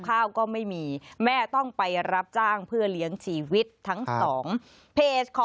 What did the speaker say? ข้าวก็ไม่มีแม่ต้องไปรับจ้างเพื่อเลี้ยงชีวิตทั้งสองเพจขอ